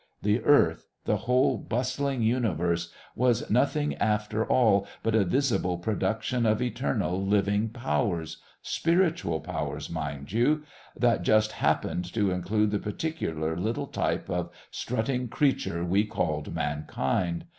The Earth, the whole bustling universe, was nothing after all but a visible production of eternal, living Powers spiritual powers, mind you that just happened to include the particular little type of strutting creature we called mankind.